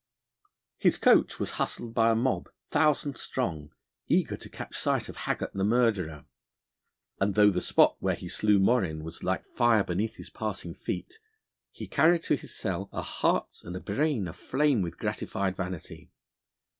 His coach was hustled by a mob, thousands strong, eager to catch sight of Haggart the Murderer, and though the spot where he slew Morrin was like fire beneath his passing feet, he carried to his cell a heart and a brain aflame with gratified vanity.